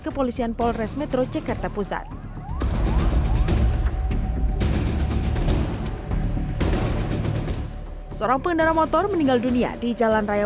kepolisian polres metro jakarta pusat seorang pengendara motor meninggal dunia di jalan raya